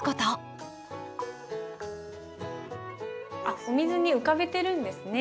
あっお水に浮かべてるんですね。